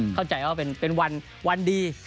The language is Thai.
เข้าใจว่าเป็นวันดี